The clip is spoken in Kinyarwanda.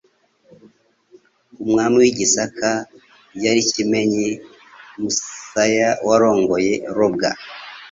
Umwami w'i Gisaka yari Kimenyi Musaya warongoye Robwa,